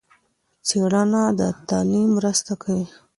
څېړنه د تعليم مرسته کوي.